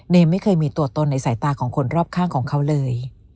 ไม่เคยมีตัวตนในสายตาของคนรอบข้างของเขาเลย